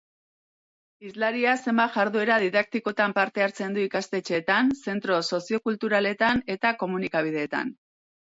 Hizlariak zenbait jarduera didaktikotan parte hartzen du ikastetxeetan, zentro soziokulturaletan eta komunikabideetan.